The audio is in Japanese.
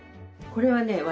これはね